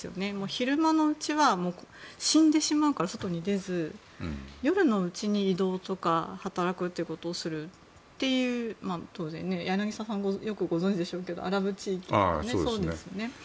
昼間のうちは死んでしまうから外に出ず夜のうちに移動とか働くということをするという柳澤さんはよくご存じでしょうけどアラブ地域とかそうですね。